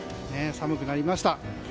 寒くなりました。